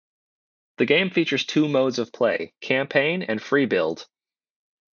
The game features two modes of play - Campaign and Free-Build.